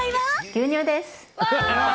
牛乳です。